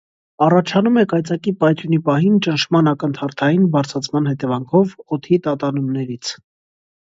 Առաջանում է կայծակի պայթյունի պահին ճնշման ակնթարթային բարձրացման հետևանքով օդի տատանումներից։